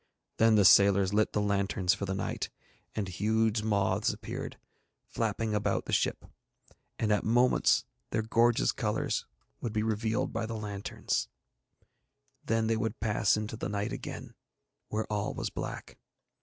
Then the sailors lit the lanterns for the night, and huge moths appeared, flapping about the ship, and at moments their gorgeous colours would be revealed by the lanterns, then they would pass into the night again, where all was black.